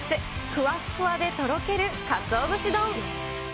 ふわっふわでとろけるかつお節丼。